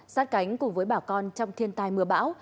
sát cánh cùng với bà con trong thiên tai mưa bão